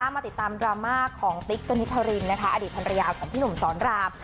มาติดตามดราม่าของติ๊กกณิธรินนะคะอดีตภรรยาของพี่หนุ่มสอนราม